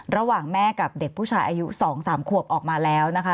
ระหว่างแม่กับเด็กผู้ชายอายุ๒๓ขวบออกมาแล้วนะคะ